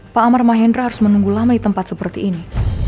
pak amar mahendra harus menunggu lama di tempat seperti ini